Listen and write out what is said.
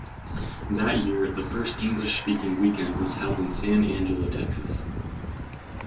That year the first English-speaking weekend was held in San Angelo, Texas.